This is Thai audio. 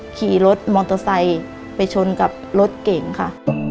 ขี่รถมอเตอร์ไซค์ไปชนกับรถเก่งค่ะ